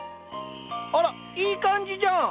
あらいい感じじゃん！